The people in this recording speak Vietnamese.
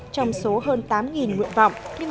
trong số hơn tám ngụy ổn định